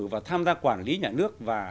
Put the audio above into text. và tham gia quản lý nhà nước và